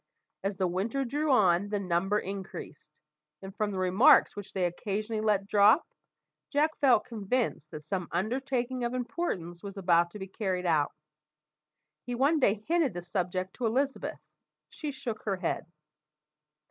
As the winter drew on, the number increased; and from the remarks which they occasionally let drop, Jack felt convinced that some undertaking of importance was about to be carried out. He one day hinted the subject to Elizabeth. She shook her head.